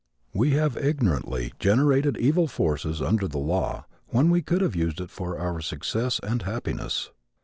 We have ignorantly generated evil forces under the law when we could have used it for our success and happiness.